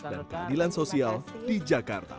dan keadilan sosial di jakarta